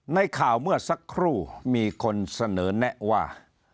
ในข่าวเมื่อสักครู่มีคนเสนอแนะว่า